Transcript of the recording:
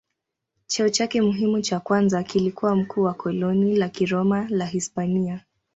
Cheo chake muhimu cha kwanza kilikuwa mkuu wa koloni la Kiroma la Hispania.